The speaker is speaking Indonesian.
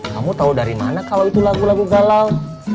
kamu tahu dari mana kalau itu lagu lagu galau